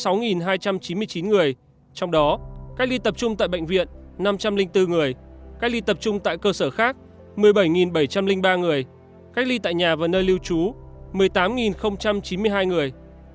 trong đó cách ly tập trung tại bệnh viện năm trăm linh bốn người cách ly tập trung tại cơ sở khác một mươi bảy bảy trăm linh ba người cách ly tại nhà và nơi lưu trú một mươi tám chín mươi hai người